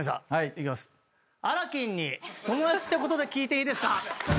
あらきんに友達ってことで聞いていいですか？